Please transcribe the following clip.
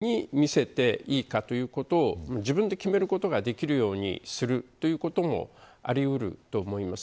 あるいは自分の医療情報をどの先生に見せていいかということを自分で決めることができるようにするということもあり得ると思います。